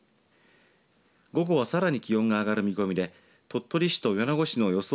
午後はさらに気温が上がる見込みで鳥取市と米子市の予想